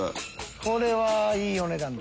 これはいいお値段だ。